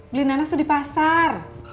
beli nanas itu di pasar